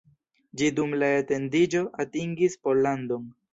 Ĝi dum la etendiĝo atingis Pollandon.